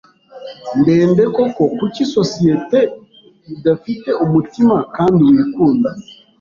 ndende koko kuki societe idafite umutima kandi wikunda?